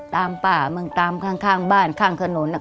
ตามป่ามึงตามข้างบ้านข้างถนน